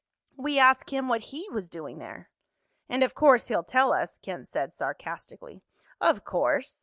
"We ask him what he was doing there." "And of course he'd tell us," Ken said sarcastically. "Of course."